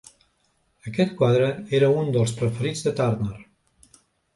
Aquest quadre era un dels preferits de Turner.